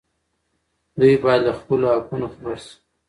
دوی باید له خپلو حقونو خبر شي.